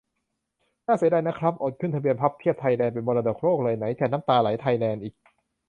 น่าเสียดายนะครับ อดขึ้นทะเบียน "พับเพียบไทยแลนด์" เป็นมรดกโลกเลย ไหนจะ "น้ำตาไหลไทยแลนด์" อีก